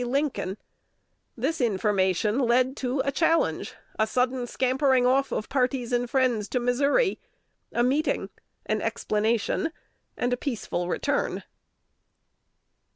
Lincoln_. This information led to a challenge, a sudden scampering off of parties and friends to Missouri, a meeting, an explanation, and a peaceful return.